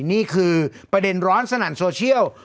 นี่คือประเด็นร้อนสนั่นโซเชียล